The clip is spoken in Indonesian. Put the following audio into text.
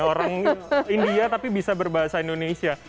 orang india tapi bisa berbahasa indonesia